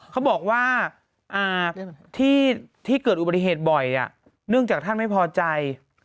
เขาบอกว่าที่เกิดอุบัติเหตุบ่อยเนื่องจากท่านไม่พอใจ